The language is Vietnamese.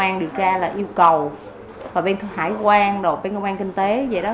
bên công an được ra là yêu cầu và bên hải quan bên công an kinh tế vậy đó